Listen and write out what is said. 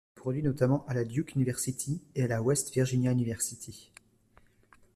Il se produit notamment à la Duke University et à la West Virginia Universtiy.